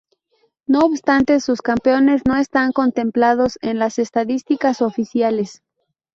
No obstante, sus campeones no están contemplados en las estadísticas oficiales.